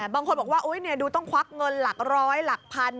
บางคนบอกว่าหนึ่งเนี่ยต้องควักเงินหลักร้อยหลักพัน